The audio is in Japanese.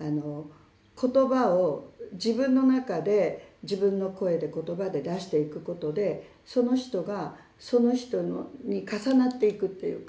あの言葉を自分の中で自分の声で言葉で出していくことでその人がその人に重なっていくっていうか